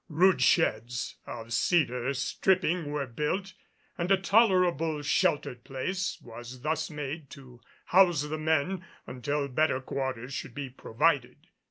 Rude sheds of cedar stripping were built and a tolerable sheltered place was thus made to house the men until better quarters should be provided.